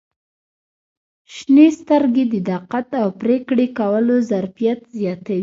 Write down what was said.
• شنې سترګې د دقت او پرېکړې کولو ظرفیت زیاتوي.